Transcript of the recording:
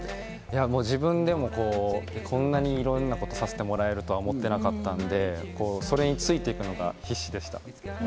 自分でもこんなにいろんなことをさせてもらえると思ってなかったんで、それについていくのが必死でした。